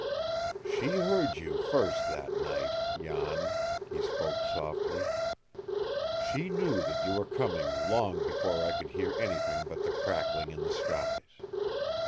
"She heard you first that night, Jan," he spoke softly. "She knew that you were coming long before I could hear anything but the crackling in the skies.